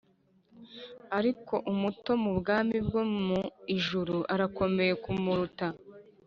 Ariko umuto mu bwami bwo mu ijuru arakomeye kumuruta